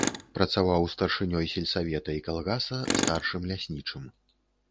Працаваў старшынёй сельсавета і калгаса, старшым ляснічым.